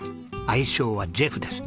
愛称はジェフです。